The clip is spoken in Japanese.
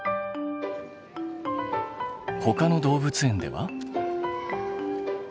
ほかの動物園では？